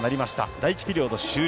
第１ピリオド終了。